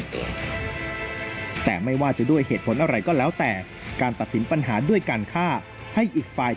งั้นจากว่าเดี๋ยวผม